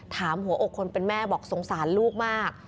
หัวอกคนเป็นแม่บอกสงสารลูกมาก